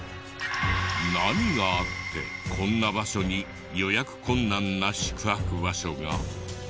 何があってこんな場所に予約困難な宿泊場所が？